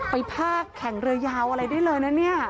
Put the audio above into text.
พากแข่งเรือยาวอะไรได้เลยนะเนี่ย